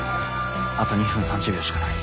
あと２分３０秒しかない。